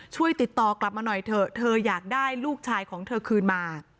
ช่วยติดต่อกลับมาหน่อยเถอะเธออยากได้ลูกชายของเธอคืนมา